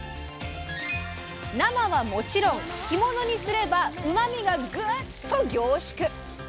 生はもちろん干物にすればうまみがグッと凝縮！